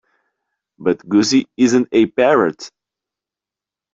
But Gussie isn't a parrot.